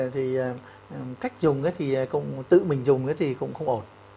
thì cách dùng thì tự mình dùng thì cũng không ổn